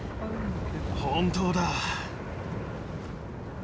本当だ。